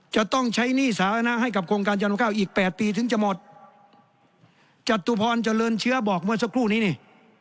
จะต้องใช้หนี้สาธารณะให้กับโครงการยานุข้าวอีกแปดปีถึงจะหมดจตุพรเจริญเชื้อบอกเมื่อสักครู่นี้นี่